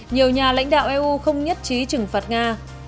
nhiều nhà lãnh đạo eu không nhất trí trừng phạt nga